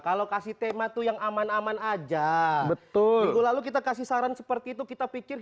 kalau kasih tema tuh yang aman aman aja betul lalu kita kasih saran seperti itu kita pikir